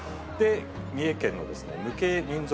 三重県の無形民俗